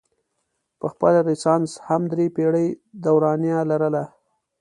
پخپله رنسانس هم درې پیړۍ دورانیه لرله.